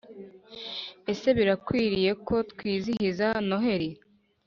Ese birakwiriye ko twizihiza noheli